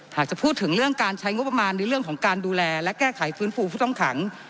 หากจะพูดถึงเรื่องการใช้งบประมาณในเรื่องของการดูแลและแก้ไขฟื้นฟูผู้ต้องขัง